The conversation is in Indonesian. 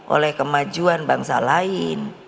oleh kemajuan bangsa lain